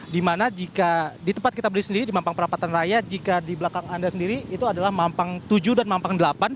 dimana jika di tempat kita beli sendiri di mampang perapatan raya jika di belakang anda sendiri itu adalah mampang tujuh dan mampang delapan